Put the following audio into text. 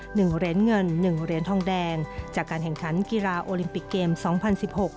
หนึ่งเหรียญเงินหนึ่งเหรียญทองแดงจากการแข่งขันกีฬาโอลิมปิกเกมสองพันสิบหก